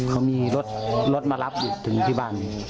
เขามีรถมารับอยู่ถึงที่บ้าน